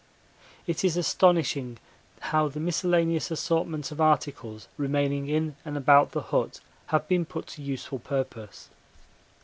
It is astonishing how the miscellaneous assortment of articles remaining in and about the hut have been put to useful purpose.